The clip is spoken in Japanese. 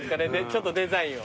ちょっとデザインを。